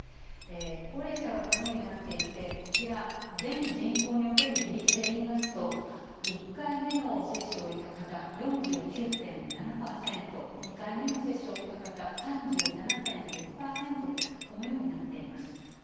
高齢者はこのようになっていて、こちら、全人口における比率で言いますと、１回目の接種を終えた方、４９．７％、２回目の接種を終えた方、３７．６％と、このようになっています。